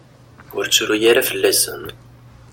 Ur ttru ara fell-asen.